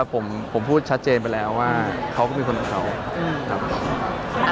ผมพูดชัดเจนไปแล้วว่าเขาก็เป็นคนของเขาครับ